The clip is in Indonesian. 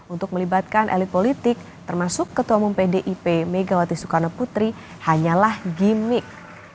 untuk melibatkan elit politik termasuk ketua umum pdip megawati soekarno putri hanyalah gimmick